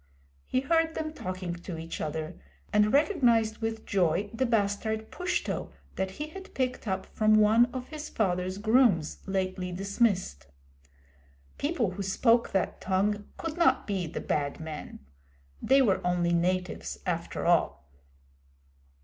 He heard them talking to each other, and recognised with joy the bastard Pushto that he had picked up from one of his father's grooms lately dismissed. People who spoke that tongue could not be the Bad Men. They were only natives after all.